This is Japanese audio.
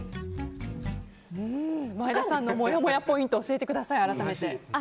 前田さんのもやもやポイント教えてください、改めて。